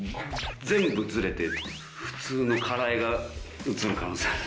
全部ずれて普通のカラ画が映る可能性ある。